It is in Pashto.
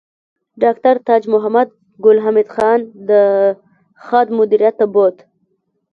ډاکټر تاج محمد ګل حمید خان د خاد مدیریت ته بوت